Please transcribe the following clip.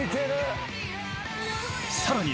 ［さらに］